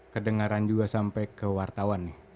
kedengaran juga sampai ke wartawan nih